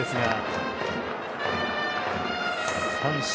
三振。